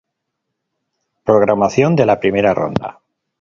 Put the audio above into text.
Programación de la primera ronda.